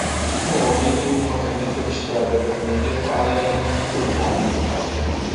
Um homem em uma camisa listrada vermelha fala em um microfone.